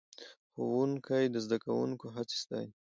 ښوونکی د زده کوونکو هڅې ستایي